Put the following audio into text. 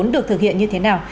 được thực hiện như thế nào